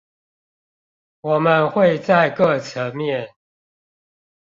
我們會在各層面